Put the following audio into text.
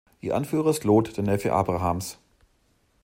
Ihr Anführer ist Lot, der Neffe Abrahams.